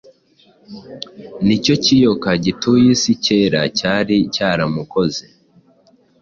Nicyo kiyoka gituye isi kera cyari cyaramukoze